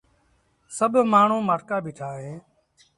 سڀ مآڻهوٚٚݩ مآٺڪآ بيٚٺآ اهيݩ